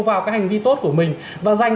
vào cái hành vi tốt của mình và dành